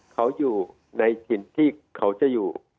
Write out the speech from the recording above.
เขาอยู่ในถิ่นที่เขาจะอยู่